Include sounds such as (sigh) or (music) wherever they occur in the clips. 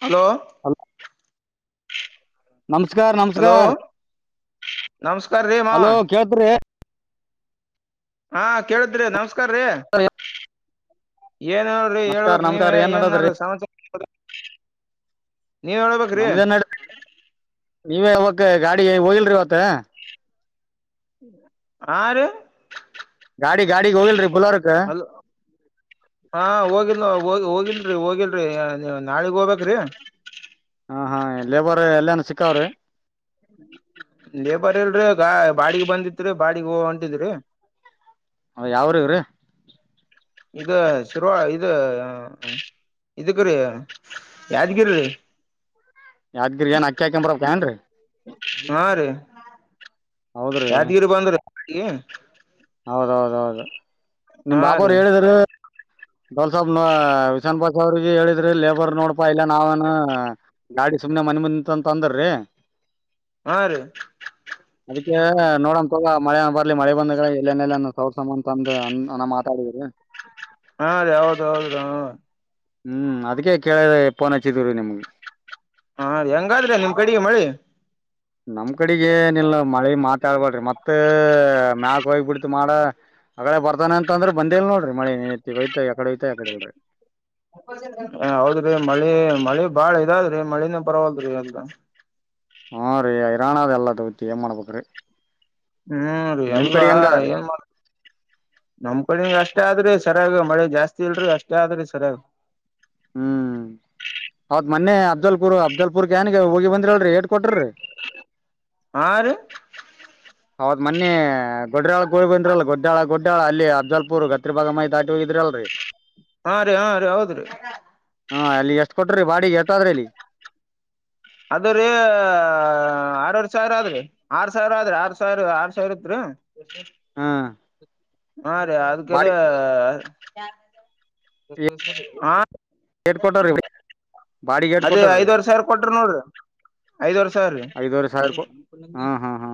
Hello ಹ (inaudible) ನಮಸ್ಕಾರ hello ನಮಸ್ಕಾರ ನಮಸ್ಕಾರ ರೀ ಮಾವ ಹಲೋ ಕೇಳ್ತ್್ರಿ. ಹಾ ಕೇಳಿದ್ರಿ ನಮಸ್ಕಾರ್ರೀ. ಏನ್ ಹೇಳ್ರಿ ನಮಸ್ಕಾರ ಹೇಳ್ಬಕ್ ನೀವ್ ನಮಸ್ಕಾರ ಏನ್ ನಡದ್ರಿ ನ್ರಿ ಸಮಾಚಾರ. ನೀವೇ ಹೇಳ್ಬೇಕ್ರಿ. ನಮ್ದೇನ್ ನಡ ನೀವೇ ಹೇಳಬೇಕ ಗಾಡಿ ಹೋಗಿಲ್ರಿ ಇವತ್ತು. ಆ ರೇ ಗಾಡಿ ಗಾಡಿಗೆ ಹೋಗಿಲ್ರಿ ಬುಲರ್ ಕ. ಹ (inaudible) ಹಾ ಹೋಗಿಲ್ೋಗ ಹೋಗಿಲ್ರರಿ ಹೋಗಿಲ್ರರಿ ನೀ ನಾಳಿಗ್ ಹೋಗ್ಬೇಕ್ರಿ. ಹಾ ಹಾ ಲೇಬರ್ ಎಲ್ಲನ ಸಿಕ್ಕಾವ್ರಿ. ಲೇಬರ್ ಇಲ್ರಿ ಗಾ ಬಾಡಿಗೆ ಬಂದಿತ್ರಿ ಬಾಡಗ್ ಹ ಹೊಂಟಿದ್ರಿ. ಹ ಯಾವ್ರ ಇವರೇ ಇದು ಶರ್ರುವ ಇದು. ಇದಕ್ಕ ರೀ ಯಾದಗಿರೀ. ಯಾವ್ದಗಿರಿ ಅಕ್ಕಿ ಹಾಕೊಂಡ್ ಬರಬೇಕಾ ಏನ್ೀ. ಹಾ ರೀ ಹೌದ್ರಿ ಯಾದಗೀರು ಬಂದ್ರ. ಹೌದೌದ ಹೌದು ನಿಮ ಬಾಬ ರೀ ಅವ್ರು ಹೇಳಿದರು. ಡೋಲ್ಸಬ್ ನ ವಿಶಾನ್ ಬಾಸ್ ಅವ್ರಿಗೆ ಹೇಳಿದ್ರಿ ಲೇಬರ್ ನೋಡ್ಪಾ ಇಲ್ಲ ನಾವೇನು. ಗಾಡಿ ಸುಮ್ನೆ ಮನೆ ಮುಂದ ನಿತ್ಂತ ಅಂದರೀ. ಹಾ ರೀ ಅದಕ್ಕೆ ನೋಡಣ ತಗ ಮಳೆ ಬರ್ಲಿ ಮಳೆ ಬಂದಾಗ. ಇಲ್ಲನೆಲ್ಲ ಸೌರ್ಸ ಅಂತ ಅಂದ ನಾ ಮಾತಾಡಿದ್ರಿ. ಹಾ ಅದ ಹೌದು ಹೌದು. ಹ್ಮ್ ಅದಕ್ಕೆ ಕೇಳಫೋನ್ ಹಚ್ಚಿದೀರಿ ನಿಮ್ಗೆ. ಹಾ ರ ಹೆಂಗಾದ್ರೆ ನಿಮ್ ಕಡೆಗೆ ಮಳಿ. ನಮ್ ಕಡೆಗೆನಲ್ಲ ಮಳೆ ಮಾತಾಡ್ಬಡ್ರಿ ಮತ್ತ... ಮ್ಯಾಕ್ ಹೋಗಿ ಬಿಡ್ತ್ ಮಾಡ ಆಗಡೆ ಬರ್ತಾನೆ ಅಂತ ಅಂದ್ರ ಬಂದೇ ನೋಡ್ರಿ. ಮಳಿ ನಿತ್ತಿ ಹೋಯ್ತ ಯಕಡೆ ಹೋಯ್ತ ಯಕಡೆ ಇಲ್ರಿ ಹೌದ್ರಿ ಮಳೆ ಮಳೆ ಬಾಳ ಇದಾದ್ರೀ ಮಳಿಂದ ಬರವಾಗಿಲ್ ರೀ ಅಲ್ ಹಾ ರೀ ಐರಾಣಾದ ಎಲ್ಲ ತಗತಿ ಏನ ಮಾಡಬೇಕ್ರಿ. ಹ್ಮ್ ರೀ ಎಲ್ಲಾ ಏನ್ ಮಾಡ್ ನಮ ಕಡೆಂಗ ಅಷ್ಟ. ಅಷ್ಟೇ ಆದ್ರೆ ಸರಿಯಾಗ ಮಳೆ ಜಾಸ್ತಿ ಇಲ್ರ ಅಷ್ಟೇ ಆದ್ರೆ ಸರಿಯಾಗ. ಹ್ಮ್ ಹೌದ ಮೊನ್ನೆ ಅ ಅಬ್ದಲ್ಪುರ್ ಅಬ್ದಲ್ಪುರ್ ಕ ಏನ್ಗೆ ಹೋಗಿ ಬಂದ್ರಿ ಅಲ್ರಿ ಹೇಡ್ ಕೊಟ್ರಿ. ಹಾ ರೀ ಹೌದ್ ಮನ್ನಿ ಗೊಡಾಳ ಗಳಿ ಬಂದ್ರಲ್ಲ ಗೊಡ್ಡಾಳ ಗೊಡ್ಡಾಳ ಅಲ್ಲಿ ಅರ್ಜಲ್ಪುರ್ ಗತ್ತ. ಇ ಭಾಗ ಮಿ ದಾಟಿ ಹೋಗಿದ್ರ ಅಲ್ರರಿ. ಹಾ ರೀ ಹಾ ರೀ ಹೌದ್ರಿ ಹಾ ಅಲ್ಲಿ ಎಷ್ಟ ಕೊಟ್ರಿ ಬಾಡಿ ಎತದ್ರಿ ಇಲ್ಲಿ. ಅದ ರೀ ಆರರ್ಷ ಸಾವಿರ ಆದ್ರಿ ಆರ್ ಸಾವಿರ ಆದ್ರಿ ಆರ್ ಸಾವಿರ ಆರ್ ಸಾವಿರ ಇತ್ ರೀ. ಹಾ ಹಾ ರೀ ಅದಕ್ಕೆದ ಬಾಡಿ ಹ ಎಡ್ ಕವ್ಟರ್ ರ ಅದೇ ಐದ್ವರ್ ಸಾವಿರ ಕೊಟ್ರ ನೋಡ್ರಿ. ಐದವರ್ಷಾವಿರ್ರಿ. ಐದೂವರೆ ಸಾವಿರ ಹಾ ಹಾ ಹಾ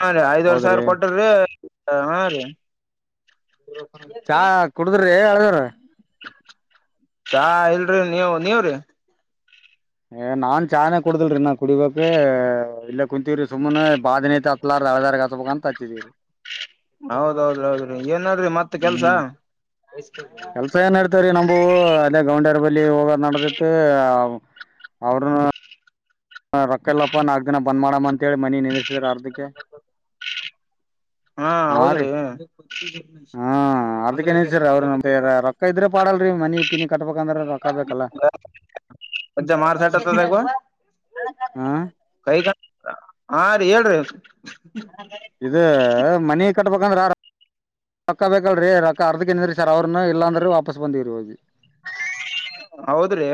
ಹಾ ರೀ ಐದ್ವರ್ ಸಾವಿರ ಹೌದ್ರಿ ಕೊಟ್ರರಿ ಹಾ ರೀ. ಚಾ ಕುಡುದ್ರೀ ಹೇಳದ್ರ. ಚಾ ಇಲ್ರಿ ನೀವ ನೀವ್ರೀ. ಏ ನಾನ್ ಚಾನೇ ಕುಡುದಲ್ರರಿ ನಾ ಕುಡಿಬೇಕ್ ಇಲ್ಲೇ ಕುಂತೀವ್ರಿ ಸುಮ್ಮ್ನೆ ಬಾದ ನ ಐತೆ ಅತ್ಲ. ಹಳದರ್ಗ ಹತ್ಬೇಕು ಅಂತ ಹಚ್ಚಿದ್ದಿದೀರಿ. (inaudible) ಹೌದೌದ್ರ ಹೌದ್ರಿ ಏನಡ್ರಿ ಮತ್ತ ಕೆಲ್ಸ. ಕೆಲ್ಸ ಏನ್ ನಡ್ತವ್ರೀ ನಮು ಅಲ್ಲೇ ಗೌಂಡಿಯರ ಬಲ್ಲಿ ಹೋಗ ನಡೆದಿತ್ತು ಅವ್ರ. ರೊಕ್ಕಲ್ಲಪ್ಪ ನಾಲ್ಕು ದಿನ ಬಂದ್ ಮಾಡಮ್ಮ ಅಂತೇಳಿ ಮನಿ ನಿಂದಿಸಿದರೆ ಅರ್ಧಿಕ. ಹಾ ಹ ರೀ ಹೌದ್ರಿ ಹಾ ಅರ್ದಕ್ಕೆನ್ಸಾರ ಅವ್ರಮ ರೊಕ್ಕ ಇದ್ರ. ಪಾಡಲ್ರರಿ ಮನಿ ಪಿನಿ ಕಟ್ಬೇಕಂದ್ರ ಬಕಬೇಕಲ್ಲ. ಅದ್ ಮಾರಸಾಟತದಾಗುವ. ಹ ಕೈ ಕ ಹಾ ರೀ ಹೇಳ್ರಿ ಮಿ ಕಟ್ಟ ಪಗಂದಾರ. ರೊಕ್ಕ ಬೇಕಲ್ರೀ ರೊಕ್ಕ ಅರ್ಧ ನ್ರಿ ಸರ್ ಅವ್ರನ್ನ ಇಲ್ಲಾಂದ್ರೆ ವಾಪಸ್ ಬಂದೀವ ರ ಹೋಗಿ. ಹೌದ್ರೀ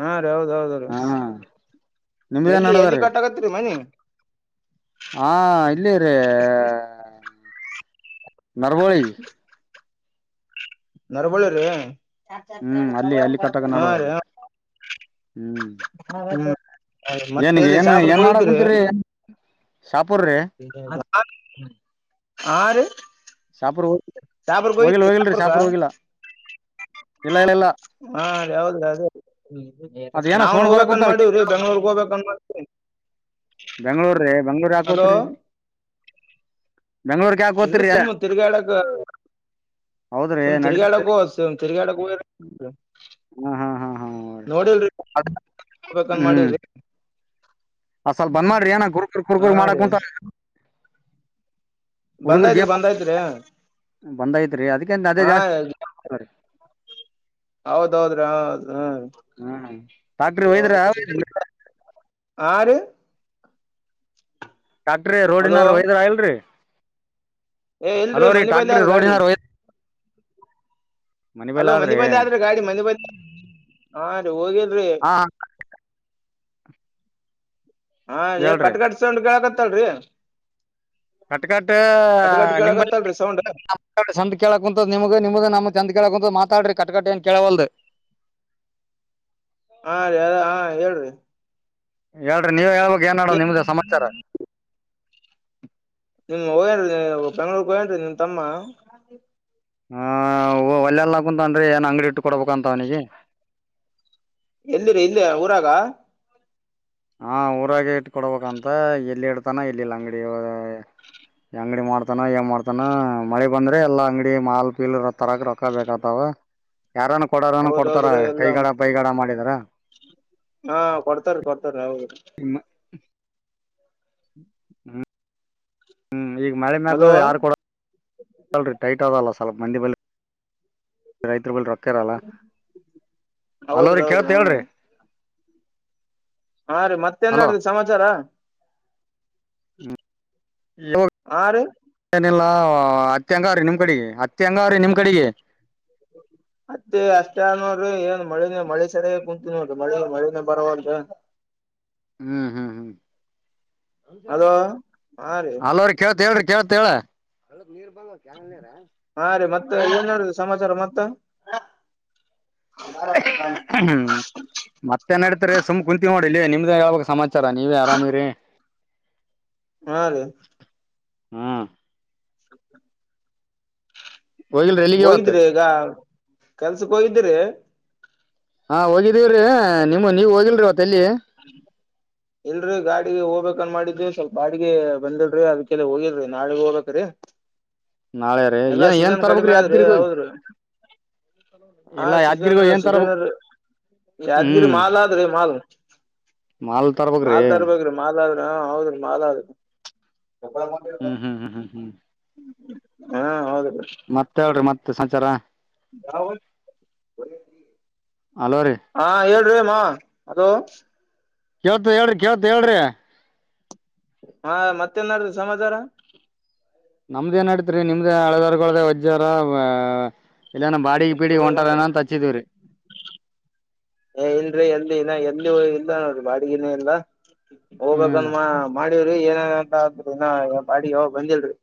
ಹಾ ರೀ ಹೌದ ಹೌದ್ರೀ. ಹಾ ನಿಮ್ದೇನ್ ಎಲ್ಲಿ ನಡದದ ಎಲ್ಲಿ ಕಟ್ಟಕತ್ತರಿ ಮನಿ. ಹಾ ಇಲ್ಲಿ ರೀ ನರ್ಗೋಳಿ. ನರಬಳ ರೀ ಹ್ಮ್ ಅಲ್ಲಿ ಅಲ್ಲಿ ಕಟ್ಟಕ ಹಾ ರ. ನಡದ್ರೀ ಹ್ಮ್ ಮತ್ತಲ್ಲಿ ಸಾಬರ್ಗ ಹೋಯಿದ್ರೆ. ಸಹಪುರೆ. ಆ ರ. ಸಾಪ್ರ ಹೋಗ ಹೋಗಿಲ್ ಹೋಗಿಲ್ರಿ ಶಾಪುರ್ಕ ಸಾಪ್ರ ಹೋಗಿಲ್ಲ ಇಲ್ಲಲ್ಲ. ಹಾ ಅದ ಯಾವ್ದ ಅದೇ ಅದ ಏನ ನಾವನ್ ಸೋಣ್ ಬರಕ್ ಹೋಗ್ಬೇಕನ್ ಕುಂತಾಳ ಮಾಡೀವ್ರಿ ಬೆಂಗ್ಳೂರ್ಗ್ ಹೋಗಬೇಕ ಮಾಡ. ಹ್ಮ. ಬೆಂಗ್ಳೂರ ರೀ ಬೆಂಗ್ಳೂರ್ ಹಾಕೋತ್ರಿ. ಎಲ್ರೂ ಸುಮ್ಮ ತಿರ್ಗಾಡಕ್. ಹೌದ್ರಿ ಸುಮ್ ತಿರರಿಗಾಡ ನಡೀತರಿ ಕೋ ತಿರರಿಗಾಡ ಕ. ಹ್ಮ ಹಾ ಹಾ ಹಾ ನೋಡಿಲ್ರಿ ಅದ್ ಹೋಗಬೇಕನ್ ಮಾಡವ್ರಿ. ಅ ಸಲ್ ಬಂದ್ ಮಾಡ್ರಿ ಏನ ಗುರ್ ಗುರ್ ಹಾ ಗುರ್ಗುರ್ ಮಾಡಕ್ ರೀ ಕುಂಟ. ಹುಡುಗರು ಬಂದಾಯ್ತ್ರಿ ಗೇಮ್ ಬಂದಾಯ್ತ್ರಿ ಬಂದೈತ್ರಿ ಅದಕ್ಕಿಂತ ಅದೇ ಹಾ ಜಾಸ್ತಿ. ಹೌದೌದ್ರಿ ಹದ ಹ್ಮ್ ಟ್ಯಾಕ್ಟ್ರಿ ಒಯ್ದ್ರ ಹ. ಹಾರಿ. ಕಾಕ್ಟ್ರಿ ಹಲೋ ರೋಡ್ನಾರ ವೈದ್ರ ಇಲ್ರಿ. ಏ ಇಲ್ರಿ ಹಲೋ ರೀ ಮನೆ ಬಲ್ ಟ್ಯಾಕ್ಟ್ರಿ ಆದ ಗಾಡಿ. ರೋಡಿನಾರ ಒಯ್ದ ಅಲೋ ಬಲ್ ಮನಿ ಆದ್ರಿ ಬಂದ ಆದ್ರೆ ಗಾಡಿ ಮನಿ ಬಂದ ಹಾ ರೀ ಹೋಗಿಲ್ಲ. ಹಾ. ಹಾ ಏ ಹೇಳ್ರಿ ಕಟ್ ಕಟ್ಸೊಂಡ ಆಕತ್ತಲ್ರಿ. ಕಟ್ಕಟ್ಟ ನಿ ಕೇಳಕತ್ತಲ್ರಿ ಸೌಂಡ್ ಸ್ಣ್ ಕೇಳಕ್ ಕುಂಂತದ ನಿಮಗ ನಿಮಗ ನಮ ಕಂಡ್ದ ಕೇಳ ಕುಂತ ಮಾತಾಡ್ರಿ ಕಟ್ಟಕಟ್ಟ ಏನ್ ಕೇಳವಲ್ಂದು. ಹಾ ರೀ ಅದ ಹಾ ಹೇಳ್ರಿ. ಹೇಳ್ರಿ ನೀವ ಹೇಳಳ್ಕ್ ಏನ್ಡೋ ಏನ್ ನಿಮ್ದ ಸಮಾಚಾರ. ನಿಮ್ ಹೋಗ್ಯೇನ್ರಿ ನೀ ಬೆಂಗಳೂಗೆ ಹೋಗ್ಯೇನ್ ನಿಮ್ ತಮ್ಮ. ಹ ಒಲೆೆಲ್ಲ ಹಾಕುಂತನ್ ಏನ್ ಅಂಗಡಿ ಇಟ್ಟು ಕೊಡ್ಬೇಕಂತ ಅವನಿಗೆ. ಎಲ್ಲಿರಿ ಇಲ್ಲಿ ಊರಾಗ. ಹಾ ಊರಾಗ ಇಟ್ಕಡ್ಬೇಕಂತ ಎಲ್ಲಿ ಇಡ್ತಾನ ಎಲ್ಲಿಲ್ಲ ಅಂಗಡಿ. ಅಂಗಡಿ ಮಾಡ್ತಾನ ಏನ್ ಮಾಡ್ತಾನ ಮಳೆ ಬಂದ್ರೆ ಎಲ್ಲಾ ಅಂಗಡಿ ಮಾಲ್ ಪೀಲ್ ತರಾಕ ರೊಕ್ಕ ಬೇಕತ. ಯಾರನು ಕೊಡಾರನು ಕೊಡ್ತಾರ ಹೌದೌದ್ರಿ ಎಲ್ಲಾ ಕೈಗಡ ಪೈಗಡ ಮಾಡಿದಾರ ಹಾ ಕೊಡ್ತಾರ ಕೊಡ್ತಾರೆ ಹೌದು ನಿಮ್ಮ ಹ್ಮ್ ಈಗ ಮಳೆ ಹಲೋ ಮ್ಯಾಕ ಯಾರು ಕೊಡರಿ ಟೈಟ್ ಅದಲ್ಲ ಸ್ವಲ್ಪ ಮಂದಿ ಬಳಿ ರೈತರುಗಳ ರೊಕ್ಕರಲ್ಲ ಅಲವ್ರ ಹೌದ್ರಿ ಹೌದ್ರಿ ಕೇಳ್ತ ಹ್ಮ್ ಹೇಳ್ರಿ ಹಾ ರೀ ಮತ್ತೇನ್ ಹಲೋ ಮಾಡಡ್ದಿ ಸಮಾಚಾರ ಹಾ ರೀ ಚಾನ ಹ ಹತ್ತೆ ಹಂಗ ಅವ್ರಿ ನಿಮ್ ಕಡೆಗೆ ಹತ್ತೆ ಹಂಗ ಅವ್ರಿ ನಿಮ್ ಕಡೆಗೆ ಹ ಮತ್ತೆ ಅಷ್ಟೇ ನೋಡ್ರಿ ಏನ್ ಮಳೆನೇ ಮಳೆ ಸರಿಯ ಕುಂತೀ ನೋಡ್ರಿ ಮಳೆ ಮಳೆನೇ ಬರಂತ ಹ್ಮ್ ಹ್ಮ್ ಹ್ಮ್ ಹಲೋ ಹಾ ರೀ ಅಲವ್ರ ಕೇಳ್ತ್ ಹೇಳ್ರಿ ಕೇವತ್ ಹೇಳ ಹಾ ರೀ ಮತ್ತ ಏನ್ ಸಮಾಚಾರ ಮತ್ತ ಹ್ಮ್ ಮತ್ತೆ ನಡೀತಾರೆ ಸುಮ್ ಕುಂತ ನೋಡಿಿಲ್ಲ ನಿಮ್ದ ಯಾವಾಗ ಸಮಾ ಇತರಾ ನೀವೇ ಆರಾಮಿರಿ ಹಾ ರ ಹ್ಮ್ ಹೋಗಿಲ್ರಿ ಎಲ್ಲಿಗೆ ಇವತ್ತು ಹೋಗಿದ್ರಿ ಈಗ ಕೆಲ್ಸಕ್ ಹೋಗಿದಿ್ರಿ ಹಾ ಹೋಗಿದ್ದೀವರರಿ ನಿಮ್ಮ ನೀವ ಹೋಗಿಲ್ರರಿ ಅವತ್ತ ಎಲ್ಲಿ ಇಲ್ರರಿ ಗಾಡಿಗೆ ಹೋಗ್ಬೇಕನ್ ಮಾಡಿದಿ ಸ್ವಲ್ಪ ಬಾಡಿಗೆ ಬಂದಿಲ್ರಿ ಅದಕ್ಕೆಲ್ಲ ಹೋಗಿಲ್ರಿ ನಾಳಗ ಹೋಗಬೇಕೇ್ರಿ ನಾಳೆ ರೀ ಎಲ್ಲಾ ಏನ್ ಏನ್ ಸೀಸನ್ ಕಡಿಮೆ ತರ್ಬೇಕ್ರಿ ಆದ್ರೆ ಯಾದ್ಗಿರಿಗ್ ಹೋಗಿ ಹೌದ್ರರು ಹಾ ಇಲ್ಲ ಯಾದ್ಗಿರಿಗ್ ಸೀಜನ್ ಹೋಗಿ ಏನ್ ಸೀಜನ್ ತರ್ಬೇಕ್ ಯಾದಗಿರಿ ಹ್ಮ್ ಮಾಲ್ ಆದ್ರಿ ಮಾಲ್ ಮಾಲ್ ತರ್ಬೇಕ್ರಿ ಮಾಲ್ತಾಡ್ಬೇಕ್ರಿ ಮಾತಡ್್ರ ಹೌದ್ರಿ ಮಾಲಾದ್ರ ಹ್ಮ್ ಹ್ಮ್ ಹ್ಮ್ ಹ್ಮ್ ಹ್ಮ್ ಹಾ ಹೌದ ಮತ್ತ ಹೇಳ್ರಿ ಮತ್ತೆ ಸಂಚಾರ ನಾವ ಅಲೋ ರೀ ಹಾ ಹೇಳ್ರಿಮ್ಮ ಅದ ಕೇಳ್ತ ಹೇಳ್ರಿ ಕೇಳ್ತು ಹೇಳ್ರಿ ಹಾ ಮತ್ತೇನ್ ಮಾಡಡ್ತ ಸಮಾಚಾರ ನಮ್ದ ಏನ್ಡತ್ರಿ ನಿಮ್ದ ಹಳದರ್ಗಳಳ್ದ ವಜಾರ ಇಲ್ಲನ ಬಾಡ ಪೀಡಿ ಹೊಂಟಾರನಂತ ಹಚ್ಚಿದವ್ರಿ ಇಲ್ಲಿ ಇಲ್ಲ ನೋಡ್ರಿ ಬಾಡಿಗೆನೇ ಇಲ್ಲ ಹೋಗ್ಕಂದ ಮಾಡಿ ಏನಂತ ಅ್ರ ಬಾಡಿ ಹೋಗ ಬಂದಿಲ್ರರಿ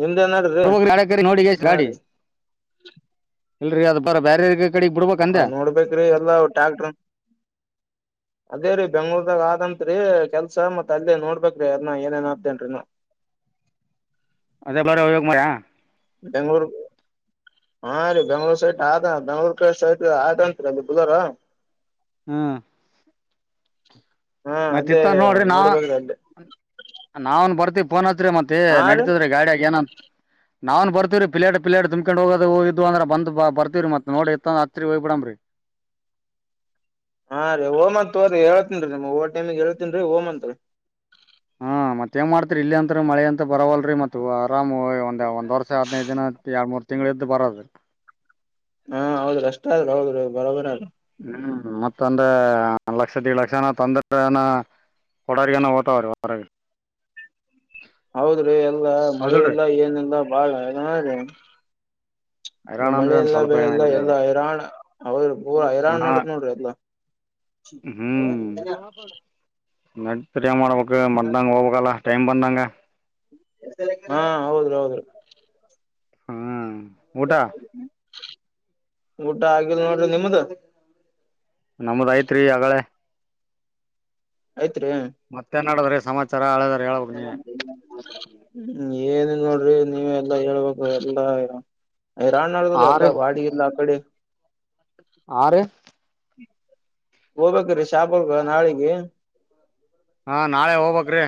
ನಿಮ್ದ ನಡ್ರಿ ನೋಡಿಿಗೆ ಎಷ್ಟ ಹಾ ರಾಡಿ ರೀ ಇಲ್ರರಿ ಅದ ಬರ ಬೇರ ಹಾ ನೋಡ್ಬೇಕೇ್ರಿ ಎಲ್ಲ ಟ್ಯಾಕ್ಟ್ರ ಅದೇ ರೀ ಬೆಂಗ್ಳೂರ್ದಾಗ ಆದಂತ್ರಿ ಕೆಲ್ಸ ಮತ್ ಅಲ್ಲೇ ನೋಡ್ಬೇ್ರೀ ಅಾರನ ಏನೇಏನ್ ಆತೇನ್ರೀ ನ ಅದೇ ಬರ ಅವ್ಯೋಗ ಮರ ಬೆಂ್ಗಳೂರು ಹಾ ರೀ ಬೆಂಗ್ಳೂರ್ ಸೈಟ್ ಆದ ಬೆಂಗ್ಳೂರ್ ಕ ಸೈಟ್ ಆಯಂತ್ರಿ ಅಲ್ಲಿ ಬುುದೋಾರ ಹ್ಮ್ ಹಾ ಮತ್ತತ್ ಅಲ್ಲೇ ಇತ್ತ ನೋಡ್ರಿ ನಾವ ನೋಡ್ಬೇಕ್ರಿ ಅಲ್ಲೇ ನಾವನ್ ಬರ್ತಿ ಫೋನ್ತ್ರಿ ಮತ್ತೆ ಹಾ ರೀ ನಡಿತದ್ರೀ ಗಾಡಿಯಾಗಿ ಏನ ನಾವನ್ ಬರ್ತಿವೀ ಪಿಲಾ ಪಲ್ಾಡ್ ತಂಬ್ಕೊಂಡ ಹೋದು ಹೋಗದು ಅ್ರ ಬರ್ವವಿ ಮ ನೋಡಿ ಇ ಅ ಹತ್ರಿ ಹೋಗಿ ಬಿಡ್ರಿ ಹಾ ರೀ ಓಮತ್ ತೋ್ರಿ ಹೇಳ್ತನ್ ರೀ ನಮ್ ಓ ಟೈಮಗ್ ಹೇಳ್ತನ್ ರೀ ಓಮತ್ರಿ ಹಾ ಮತ್ತೇನ್ ಮಾಡ್ತರಿ ಇಲ್ಲಿ ಅಂತ್ರ ಮಳೆ ಅಂತ ಬರವಲ್ರಿ ಮತ್ತ ಆರಾಮ್ ಒಂದ ಒಂದ ವರ್ಷ ಹದಿನೈದು ದಿನ ಎರಡು ಮೂರು ತಿಂಗಳು ಇದ್ದು ಬರೋದು ಹಾ ಹೌದ್ರ್ ಅಷ್ಟ ಆದ್ರರು ಹೌದ್ರ ಬರೋಬರ ಅ ಹ್ಮ್ ಮತ್ತ ಅಂದ್ರೆ ಲಕ್ಷ ದೀಡ್ ಲಕ್ಷನ ತೊಂದ್ರನ (inaudible) ಕೊಡರಿಗನಾ ಹೋತ ಅವ್ರ ಹೊರ ಹೌದ್ರಿ ಎಲ್ಲ ಮಳೆ ಇಲ್ಲ ಏನಿಲ್ಲ ಬಾಳನ್ನೀ ಹೈರಾಣ ಅಂದ್ರ ಮಳೆಲ್ಲ ಸ್ವಲ್ಪ ಹೈರಾಣ ಬೆಳೆಲ್ಲ ಇಲ್ರಿ ಎಲ್ಲ ಹೈರಾಣ್ ಅವ ಪೂರ ಹೈರಾಣ್ ಹಾ ನಡ್ದೈತಿ ನೋಡ್ರಿ ಎಲ್ಲಾ ಹ್ಮ್ ನಟ್ ಪರಿಯ ಮಾಡ್ಬೇಕು ಮ್ದಂಗ ಹೋಗ್ಬೇಕಲ್ಲ ಟೈಮ್ ಬಂದಂಗ ಹಾ ಹೌದ್ರ ಹೌದ್ರ ಹ್ಮ್ ಊಟಾ. ಊಟ ಆಗಿಲ್ ನೋಡ್ರಿ ನಿಮ್ಮ್ದ. ನಮದ ಐತ್ರಿ ಆಗಲೇ. ಆಯ್ತ್ರಿ. ನಡೆದ್ರೆ ಸಮಾಜ. ಅತ್ತಲ್ಲ ಮಾತ್ರ (inaudible) ಹ್ಮ ಏನಿಲ್ಲ ನೋಡ್ರಿ ನೀವ ಎಲ್ಲಾ ಹೇಳ್ಬೇಕ ಎಲ್ಲಾ ಇ. ರಾಣ ನಡದದ ಹಾ ಎಲ್ಲ ಬಾಡಿ ಇಲ್ಲ ಆ ಕಡೆ. ಆ ರಿ. ಹೋಗ್ಬೇಕ್ರೀ ಶಾಪಗ್ ನಾಳಿಗೆ. ಹಾ ನಾಳೆ ಹೋಗ್ಬೇಕ್ರೀ.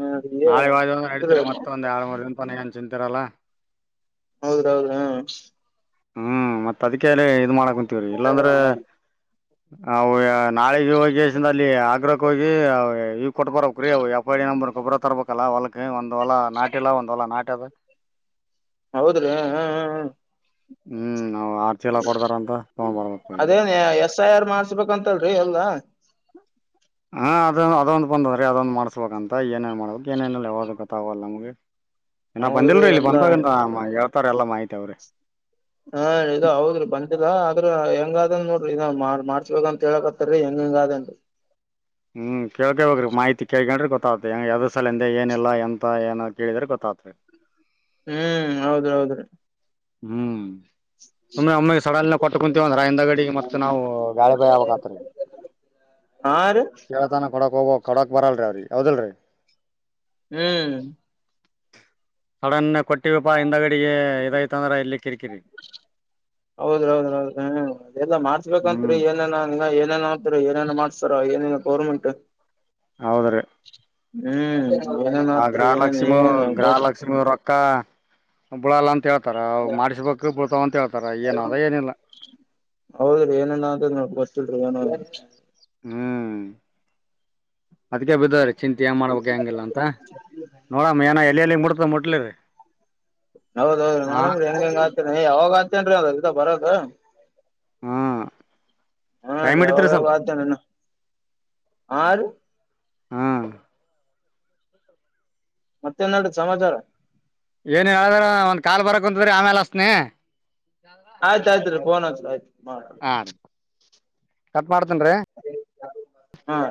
ಹೌದ್ರಿ ನಾಳೆ ವ ಹಡ್ತೀರಿ ಮತ್ತೊಂದ ಎಳ್ ಮೂರು ದಿನ ತಾನ ಏನ್ ಚಿಂತಿರಲ್ಲಾ. ಹೌದು ಹೌದು ಹೂ. ಹ್ಮ್ ಮತ್ತ್ ಅದಕ್ಕೆ ಇದ ಮಾಡಕ ಕುಂತೀವ್ರಿ ಇಲ್ಲಾಂದ್ರೆ ಅವು. ನಾಳೆ ಯ ವಕೇಶನ್ದಲ್ಲಿ ಆಗ್ರಹಕ್ಕೆ ಹೋಗಿ ಇವು ಕೊಟ್ಟು ಬರ ಬೇಕ್ರಿ ಎಫ್ ಐ ಡಿ ನಂಬರ್ ಕೊಬರ ತರ್ಬೇಕಲ್ಲ ಹೊಲಕ್ಕೆ. ಒಂದು ವಲಾ ನಟೆಲ್ಲಾ ಒಂದ ವಲಾ ನಾಟ್ ಅದ. ಹೌದ್ರಿ ಹ್ಮ್ ಹ. ಹ್ಮ್ ನಾವು ಆರು ಚೀಲ ಕೊಡ್ತಾರ ಅಂತ ತಗೊಂಡ್ ಬರ್ಬೇಕು. ಅದೇನ್ ಎಸ್ ಐ ಆರ್ ಮಾಡ್ಸ್ಬೇಕಂತಲ್ರಿ ಎಲ್ಲಾ ಹಾ ಅದ ಅದೊಂದು ಬಂದಂದ್ರಿ ಅದೊಂದ್ ಮಾಡ್ಸ್ಬೇಕಂತ ಏನೇನ್ ಮಾಡಬೇಕ. ಏನೇನಲ್ಲ ಯಾವದ ಗೊತ್ತಾಗಲ್ಲ ನಮಗೆ ಏನ ಹೌದ್ರಿ ಬಂದಿಲ್ರಿ ಇಲ್ಲಿ ಎಲ್ಲಾ ಬಂದಾಗ ಹೇಳ್ತಾರ ಎಲ್ಲಾ ಮಾಹಿತಿ. ತ್ತವ್ರೆ. ಹಾ ಇದು ಹೌದ್ರಿ ಬಂದಿಲ್ಲ ಆದ್ರ ಹೆಂಗಾದನ್ ನೋಡ. ಇದ ಮಾಡ ಮಾಡ್ಸ್ಬೇಕ ಅಂತ ಹೇಳಕತ್ತಾರೀ ಹೆಂಗ ಹೆಂಗ ಆಧೆನ್ರಿ. ಹ್ಮ್ ಕೇಳ್ಕ ಬೇಕ್ರಿ ಮಾಹಿತಿ ಕೇಳ್ಗೊಂಡ್ರಿ ಗೊತ್ತ. ಗೊತ್ತ ಯದ ಸಲ ಎನ್ದೆ ಏನಿಲ್ಲ ಎಂತ ಏನ ಕೇಳಿದ್ರೆ ಗೊತ್ತಾಗತ್ರಿ ಹ್ಮ್ ಹೌದ್ ಹೌದ್ರ. ಹ್ಮ್. ಸುಮ್ಮ್ನೆ ಒಮ್ಮಿಗೆ ಸಡಲ್ನ ಕೊಟ್ಟ ಕುಂತೀವಂದ್ರ ಹಿಂದ ಗಡಿಗೆ ಮತ್ತೆ ನಾವು ಗಾಳಿ ಬಾಯಿ ಆಗಬೇಕತ್ರೀ. ಹಾರಿ. ಕೊಡಕ್ ಹೋಗ್ಬೇಕ ಕೊಡಕ್ ಬರಲ್ರರಿ ಅವ್ರಿ ಹೌದಿಲ್ರಿ. ಹ್ಮ್ ಸಡನ್ ಕೊಟ್ಟಿವಪ್ಪಾ ಹಿಂದ ಗಡಿಗೆ ಇದಾಯ್ತ. ಹೌದ್ರೀ ಹೌದ್ರೀ ಹೌದ್ರೀ ಹ್ಮ ಎಲ್ಲ ಮಾಡ್ತ. ಬರಬೇಕಂತ್ರಿ ಹ್ಮ್ ಏನ ಏನೇನ ಅಂತರಿ ಏನೇನ ಮಾಡ್ಸ್ತಾರ ಏನೇನ ಗೌರ್ಮೆಂಟ್. ಹೌದ್ರೀ ಹ್ಮ್ ಏನೇನ್ ಆ ಆತ್ರಿ ಏನೇನ್ ಗ್ರಹಾಲಕ್ಷ್ಮಿ ಏನ್ ಗ್ರಹಾಲಕ್ಷ್ಮಿ ರೊಕ್ಕ. ಕಾ ಬಳಲ್ಲ ಅಂತ ಹೇಳ್ತಾರ ಅವ್ ಮಾಡಿಸಬೇಕು. ಅಂತ ಹೇಳ್ತಾರ ಏನ ಅದ ಏನಿಲ್ಲ. ಹೌದ್ರಿ ಏನೇನ ಅದ ಗೊತ್ತಿಲ್ರಿ ಏನ್ರಿ (inaudible) ಹ್ಮ್ ಅದಕ್ಕೆ ಬಿದವರಿ. ಚಿಂತ ಮಾಡ್ಬೇಕ ಹೆಂಗಿಲ್ಲ ಅಂತ ನೋಡಮ್ ಏನ ಎಲ್ಲಿ ಎಲ್ಲಿ ಮುಡ್ತ ಮುಟ್ಲಿರಿ. ಹೌದೌದು ಹಾ ನೋಡನ್ ಹೆಂಗ ಹೆಂಗ ಆತೇ ಯಾವಾಗ ಆತೇನ್ರೀ ಅದ ಬರೋದು. ಹ್ಮ್ ಹಾ ಟೈಮ್ ರಿ ಯಾವಾಗ ಹಿಡಿತ್ರಿ ಸ್ವಲ್ಪ ಯಾವಾಗ. ಆ ರಿ. ಹ್ಮ್ ಮತ್ತೇನ್ ನಡ ಸಮಾಚಾರ. ಏನ್ ಹೇಳದ್ರ ಒಂದ್ ಕಾಲ್ ಬರಕ್ ಕುಂತ್ರಿ ಆಮೇಲ್ ಅಸ್ನಿ. ಆಯ್ತ ಆಯ್ತ್ರಿ ಫೋನ್ ಆತ್ ಆಯ್ತ್ ಮಾಡ. ಮಾಡ್ತೇನ್ರೀ. ಹಾ.